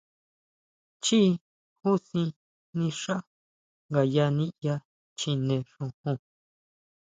Chjií jusin nixá ngayá niʼya chjine xojon.